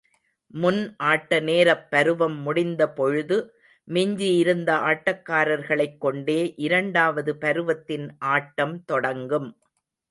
முன் ஆட்ட நேரப்பருவம் முடிந்தபொழுது மிஞ்சி இருந்த ஆட்டக்காரர்களைக் கொண்டே, இரண்டாவது பருவத்தின் ஆட்டம் தொடங்கும்.